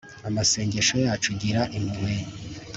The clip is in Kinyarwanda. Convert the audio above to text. amasengesho yacu gira impuhwe